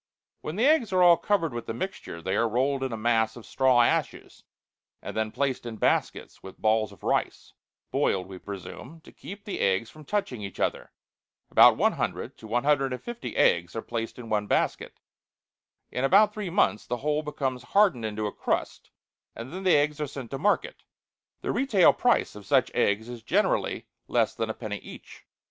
When the eggs are all covered with the mixture, they are rolled in a mass of straw ashes, and then placed in baskets with balls of rice boiled, we presume to keep the eggs from touching each other. About 100 to 150 eggs are placed in one basket. In about three months the whole becomes hardened into a crust, and then the eggs are sent to market; the retail price of such eggs is generally less than a penny each.